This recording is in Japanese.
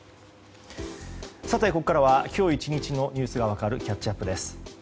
ここからは今日１日のニュースが分かるキャッチアップです。